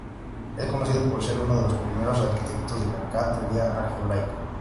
Es conocido por ser uno de los "primeros arquitectos" de la K-teoría algebraica.